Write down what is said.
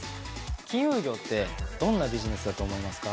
金融業ってどんなビジネスだと思いますか？